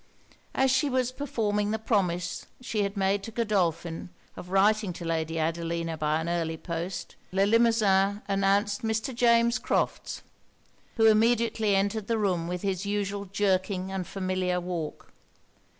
As she was performing the promise she had made to Godolphin of writing to Lady Adelina by an early post, Le Limosin announced Mr. James Crofts; who immediately entered the room with his usual jerking and familiar walk.